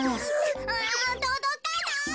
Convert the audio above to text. あとどかない。